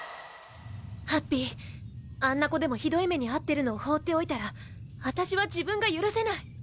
ハッピーあんなコでもひどい目に遭ってるのを放っておいたら私は自分が許せない。